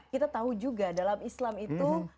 kita tahu juga dalam islam itu